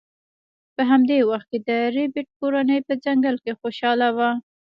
په همدې وخت کې د ربیټ کورنۍ په ځنګل کې خوشحاله وه